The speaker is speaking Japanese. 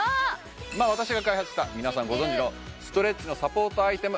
私が開発した皆さんご存じのストレッチのサポートアイテム